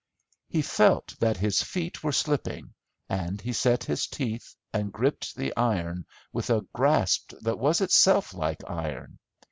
He felt that his feet were slipping, and he set his teeth and gripped the iron with a grasp that was itself like iron.